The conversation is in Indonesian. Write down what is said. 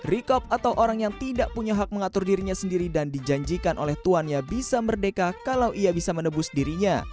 rikob atau orang yang tidak punya hak mengatur dirinya sendiri dan dijanjikan oleh tuannya bisa merdeka kalau ia bisa menebus dirinya